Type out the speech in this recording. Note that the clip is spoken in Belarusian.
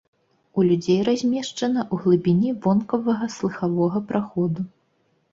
У людзей размешчана ў глыбіні вонкавага слыхавога праходу.